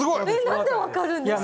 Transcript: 何で分かるんですか？